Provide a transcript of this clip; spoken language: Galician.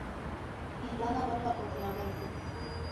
Irlanda volve ao confinamento.